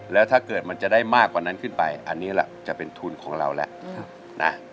แล้วถ้าเกิดมันจะได้มากกว่านั้นขึ้นไปอันนี้แหละจะเป็นทุนของเราแล้วนะ